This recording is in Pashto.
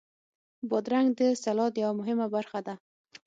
بادرنګ د سلاد یوه مهمه برخه ده.